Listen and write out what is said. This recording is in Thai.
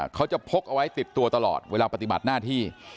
พกเอาไว้ติดตัวตลอดเวลาปฏิบัติหน้าที่